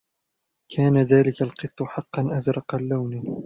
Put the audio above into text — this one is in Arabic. كان ذلك القط حقا أزرق اللون.